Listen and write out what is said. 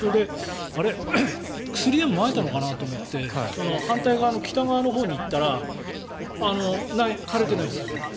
あれ薬でもまいたのかなと思って反対側の北側のほうに行ったら枯れてないんです。